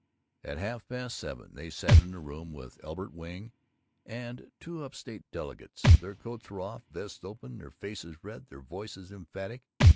At half past seven they sat in their room, with Elbert Wing and two up state delegates. Their coats were off, their vests open, their faces red, their voices emphatic.